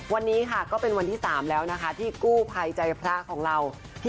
วันนี้ค่ะก็เป็นวันที่๓แล้วนะคะที่กู้ภัยใจพระของเรา